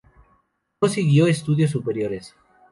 No siguió estudios superiores.